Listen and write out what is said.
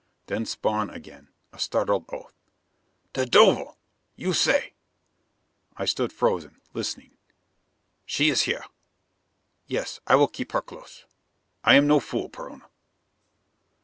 Then Spawn again. A startled oath. "De duvel! You say " I stood frozen, listening. "She is here.... Yes, I will keep her close. I am no fool, Perona."